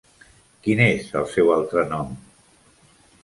Quin és el seu altre nom?